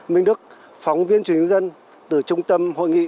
minh đức phóng viên chuyển dân từ trung tâm hội nghị